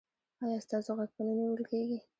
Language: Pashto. ایا ستاسو غږ به نه نیول کیږي؟